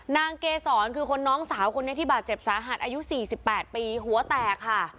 นางเกศรคือคนน้องสาวคนนี้ที่บาดเจ็บสาหัสอายุสี่สิบแปดปีหัวแตกค่ะ